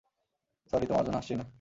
Sorry, তোমার জন্য হাসছি না।